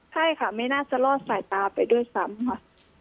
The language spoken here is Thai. ใช่ค่ะไม่น่าจะรอดสายตาไปด้วยซ้ำค่ะ